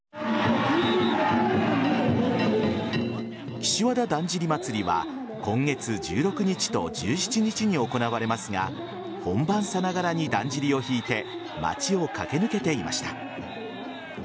岸和田だんじり祭は今月１６日と１７日に行われますが本番さながらにだんじりをひいて街を駆け抜けていました。